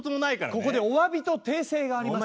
ここでおわびと訂正があります。